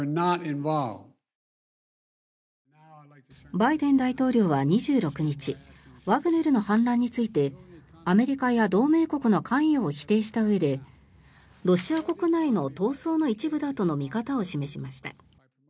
バイデン大統領は２６日ワグネルの反乱についてアメリカや同盟国の関与を否定したうえでロシア国内の闘争の一部だとの見方を示しました。